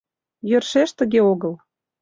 Йӧршеш тыге огыл.